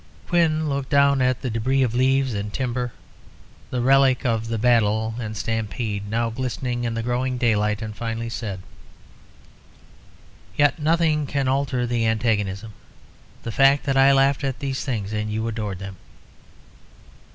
Quin looked down at the débris of leaves and timber, the relics of the battle and stampede, now glistening in the growing daylight, and finally said "Yet nothing can alter the antagonism the fact that I laughed at these things and you adored them."